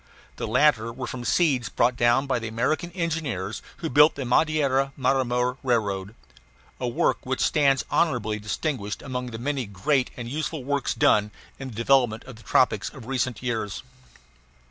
The latter were from seeds brought down by the American engineers who built the Madeira Marmore Railroad a work which stands honorably distinguished among the many great and useful works done in the development of the tropics of recent years.